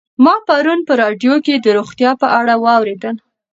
ما پرون په راډیو کې د روغتیا په اړه واورېدل.